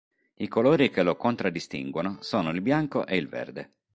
I colori che lo contraddistinguono sono il bianco e il verde.